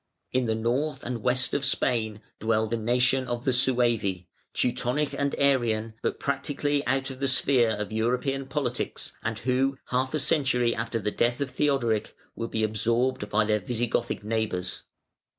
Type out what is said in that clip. In the north and west of Spain dwell the nation of the Suevi, Teutonic and Arian, but practically out of the sphere of European politics, and who, half a century after the death of Theodoric, will be absorbed by their Visigothic neighbours.